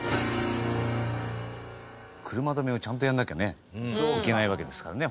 車止めをちゃんとやらなきゃねいけないわけですからね